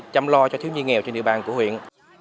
chăm lo cho thiếu nhi nghèo trên địa bàn của huyện